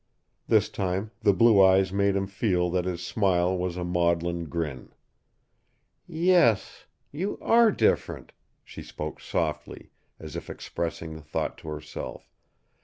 This time the blue eyes made him feel that his smile was a maudlin grin. "Yes you are different." She spoke softly, as if expressing the thought to herself.